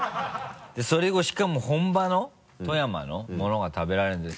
それをしかも本場の富山のものが食べられるんで。